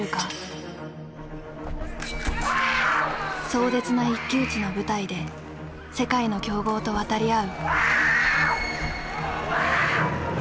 壮絶な一騎打ちの舞台で世界の強豪と渡り合う。